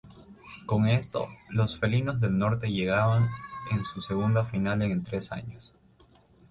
Con esto, los felinos del norte llegaban a su segunda final en tres años.